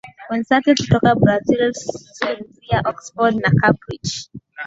wenzake kutoka Brazil Swansea Oxford na Cambridge